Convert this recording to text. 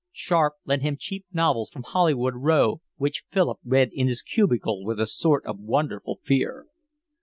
Sharp lent him cheap novels from Holywell Row, which Philip read in his cubicle with a sort of wonderful fear.